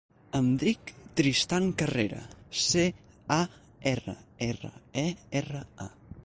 Em dic Tristan Carrera: ce, a, erra, erra, e, erra, a.